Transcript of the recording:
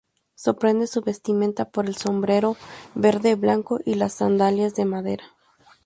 Sorprende su vestimenta por el sombrero verde y blanco y las sandalias de madera.